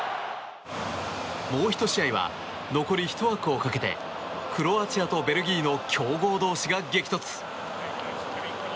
もう１試合は、残り１枠をかけてクロアチアとベルギーの強豪同士が激突。